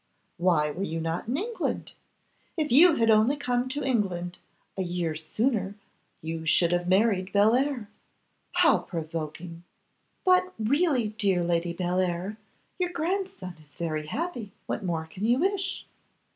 Why were you not in England? If you had only come to England a year sooner, you should have married Bellair. How provoking!' 'But, really, dear Lady Bellair, your grandson is very happy. What more can you wish?